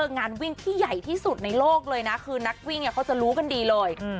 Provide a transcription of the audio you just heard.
งานวิ่งที่ใหญ่ที่สุดในโลกเลยนะคือนักวิ่งเขาจะรู้กันดีเลย